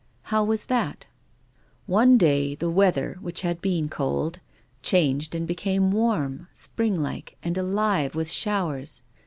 " How was that ?"" One day the weather, which had been cold, changed and became warm, springlike, and alive with showers.